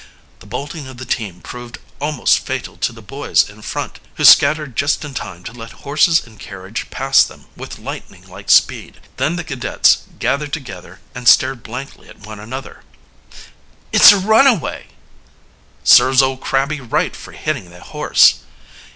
The bolting of the team proved almost fatal to the boys in front, who scattered just in time to let horses and carriage pass them with lightning like speed. Then the cadets gathered together and stared blankly at one another. "It's a runaway!" "Serves old Crabby right, for hitting the horse!"